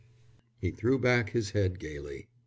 _" He threw back his head gaily.